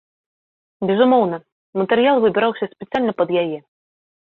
Безумоўна, матэрыял выбіраўся спецыяльна пад яе.